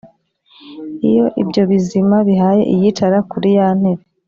Iyo ibyo bizima bihaye Iyicara kuri ya ntebe